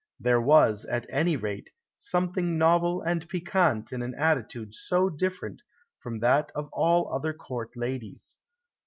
There was, at any rate, something novel and piquant in an attitude so different from that of all other Court ladies.